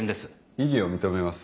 異議を認めます。